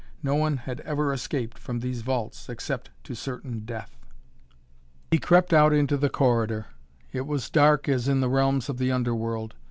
No one had ever escaped from these vaults, except to certain death. He crept out into the corridor. It was dark as in the realms of the underworld.